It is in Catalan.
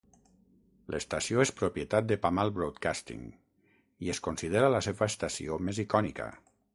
L"estació és propietat de Pamal Broadcasting i es considera la seva estació més icònica.